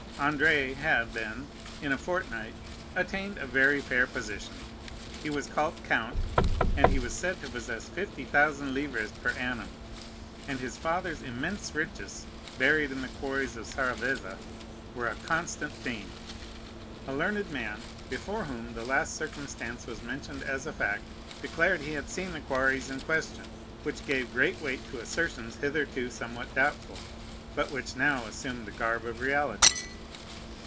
Andrea had, then, in a fortnight, attained a very fair position. He was called count, he was said to possess 50,000 livres per annum; and his father's immense riches, buried in the quarries of Saravezza, were a constant theme. A learned man, before whom the last circumstance was mentioned as a fact, declared he had seen the quarries in question, which gave great weight to assertions hitherto somewhat doubtful, but which now assumed the garb of reality.